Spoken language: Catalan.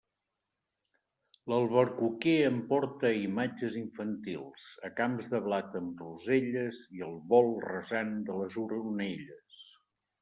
L'albercoquer em porta a imatges infantils, a camps de blat amb roselles i al vol rasant de les oronelles.